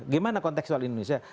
gimana konteksual indonesia